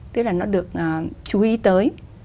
tức là nó được chú ý tới